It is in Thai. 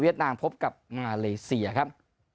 นามพบกับมาเลเซียครับ